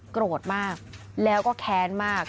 โกรธมากแล้วก็แค้นมาก